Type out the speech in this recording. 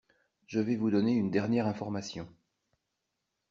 Je vais vous donner une dernière information.